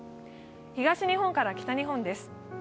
東日本から北日本です。